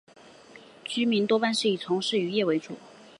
居民多半是以从事渔业为主。